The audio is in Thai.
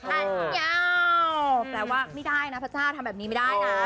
อายุยาวแปลว่าไม่ได้นะพระเจ้าทำแบบนี้ไม่ได้นะ